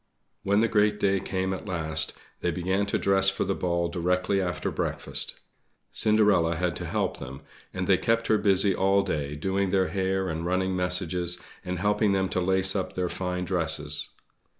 When the great day came at last, they began to dress for the ball directly after breakfast. Cinderella had to help them; and they kept her busy all day doing their hair, and running messages, and helping them to lace up their fine dresses.